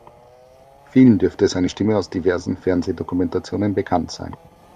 Vielen dürfte seine Stimme aus diversen Fernsehdokumentationen bekannt sein.